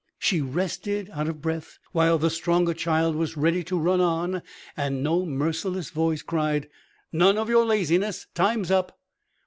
She rested, out of breath, while the stronger child was ready to run on and no merciless voice cried "None of your laziness; time's up!"